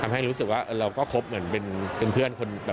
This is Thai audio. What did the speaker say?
ให้รู้สึกว่าเราก็คบเหมือนเป็นเพื่อนคน